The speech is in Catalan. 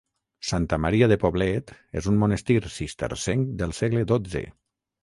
Santa Maria de Poblet és un monestir cistercenc del segle dotze.